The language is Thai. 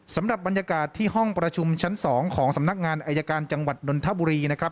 สำหรับบรรยากาศที่ห้องประชุมชั้น๒ของสำนักงานอายการจังหวัดนนทบุรีนะครับ